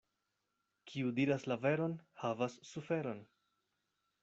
Kiu diras la veron, havas suferon.